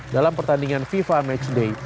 dalam pertandingan fifa match day